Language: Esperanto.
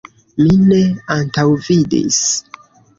Mi ne antaŭvidis.